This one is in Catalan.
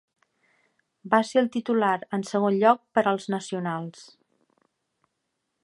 Va ser el titular en segon lloc per als Nacionals.